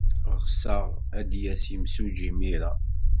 Ɣseɣ ad d-yas yimsujji imir-a.